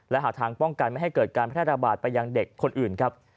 และหาทางป้องกันไม่ให้เกิดการแพร่ระบาดไปยังเด็กคนอื่นครับ